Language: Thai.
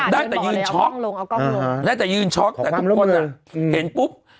ได้แต่ยืนช็อคได้แต่ยืนช็อคแต่ทุกคนอ่ะเห็นปุ๊บ